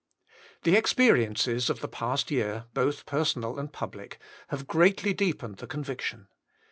The experiences of the past year, both per Bonal and public, have greatly deepened the conviction.